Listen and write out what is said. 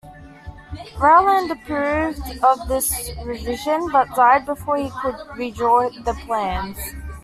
Rowland approved of this revision, but died before he could redraw the plans.